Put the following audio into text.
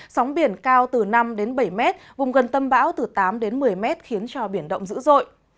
sóng biển cao từ năm đến bảy mét vùng gần tâm bão từ tám đến một mươi mét khiến cho biển động dữ dội